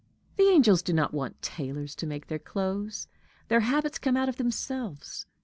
The angels do not want tailors to make their clothes: their habits come out of themselves.